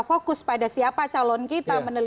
fokus pada siapa calon kita